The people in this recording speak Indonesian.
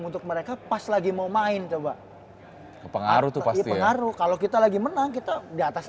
untuk mereka pas lagi mau main coba pengaruh tapi pengaruh kalau kita lagi menang kita di atas